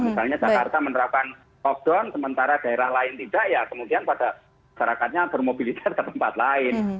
misalnya jakarta menerapkan lockdown sementara daerah lain tidak ya kemudian pada masyarakatnya bermobilitas ke tempat lain